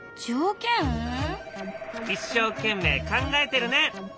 一生懸命考えてるね。